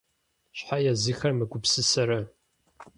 Щхьэ езыхэр мыгупсысэрэ?!